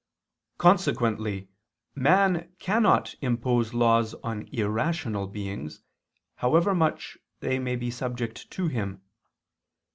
Consequently man cannot impose laws on irrational beings, however much they may be subject to him.